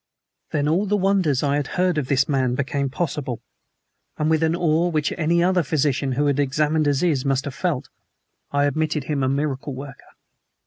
Then all the wonders I had heard of this man became possible, and with an awe which any other physician who had examined Aziz must have felt, I admitted him a miracle worker.